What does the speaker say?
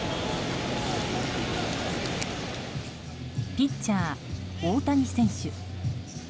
ピッチャー大谷選手。